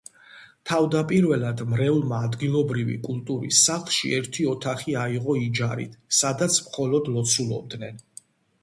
თავდაპირველად მრევლმა ადგილობრივი კულტურის სახლში ერთი ოთახი აიღო იჯარით, სადაც მხოლოდ ლოცულობდნენ.